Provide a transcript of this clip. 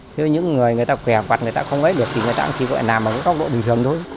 thế những người người ta khỏe hoặc người ta không ấy được thì người ta chỉ làm ở cái cốc độ bình thường thôi